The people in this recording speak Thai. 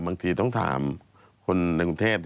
บางทีต้องถามคนในกรุงเทพ